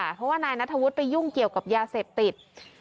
เพราะว่านายนัทธวุฒิไปยุ่งเกี่ยวกับยาเสพติด